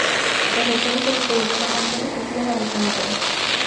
Los lectores del periódico son quienes deciden a los ganadores.